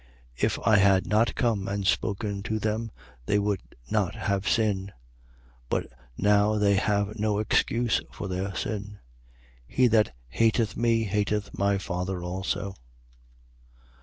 15:22. If I had not come and spoken to them, they would not have sin: but now they have no excuse for their sin. 15:23. He that hateth me hateth my Father also.